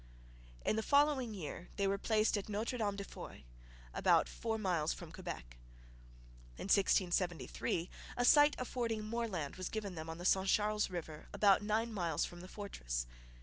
In the following year they were placed at Notre Dame de Foy, about four miles from Quebec. In 1673 a site affording more land was given them on the St Charles river about nine miles from the fortress.